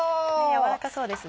軟らかそうですね。